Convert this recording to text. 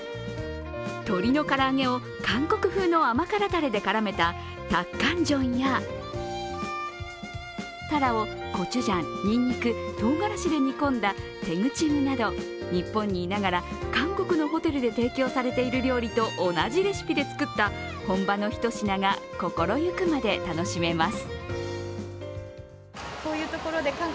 鶏の唐揚げを韓国風の甘辛だれで絡めたタッカンジョンやタラをコチュジャン、にんにく、とうがらしで煮込んだテグチムなど日本にいながら韓国のホテルで提供されている料理と同じレシピで作った本場の一品が心ゆくまで楽しめます。